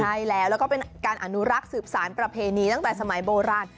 ใช่แล้วแล้วก็เป็นการอนุรักษ์สืบสารประเพณีตั้งแต่สมัยโบราณ